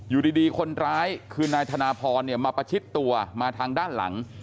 อยู่ดีคนร้ายคือนายธนาพรมาประชิดตัวมาทางด้านหลัง